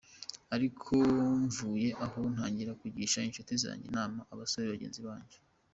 " Ariko mvuye aho ntangira kugisha inshuti zanjye inama abasore bagenzi banjye.